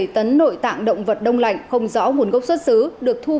một mươi bảy tấn nội tạng động vật đông lạnh không rõ nguồn gốc xuất xứ